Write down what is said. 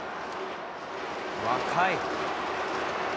「若い！」